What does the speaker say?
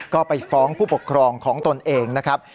ก็ไปฟ้องผู้ปกครองของตนเองนะครับ